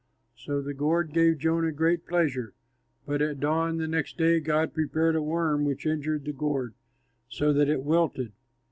So the gourd gave Jonah great pleasure; but at dawn the next day God prepared a worm which injured the gourd, so that it wilted.